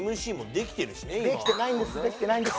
できてないんです。